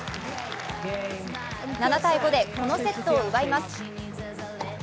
７−５でこのセットを奪います。